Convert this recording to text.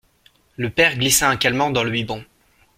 Le père glissa un calmant dans le biberon.